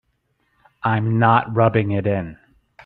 I'm not rubbing it in.